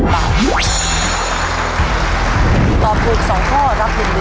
ถ้าตอบถูก๒ข้อรับ๑๑๐๐๐บาท